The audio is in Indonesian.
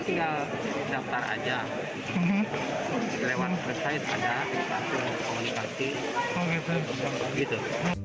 tinggal daftar aja lewat website aja komunikasi gitu